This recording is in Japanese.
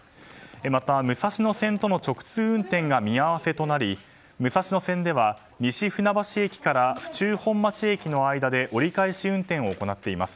また、武蔵野線との直通運転が見合わせとなり武蔵野線では、西船橋駅から府中本町駅の間で折り返し運転を行っています。